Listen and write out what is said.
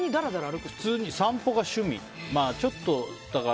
普通に散歩が趣味。